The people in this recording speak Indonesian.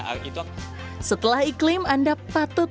setelah iklim anda patut memperhatikan trek yang anda lakukan